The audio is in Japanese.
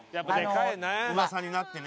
うわさになってね。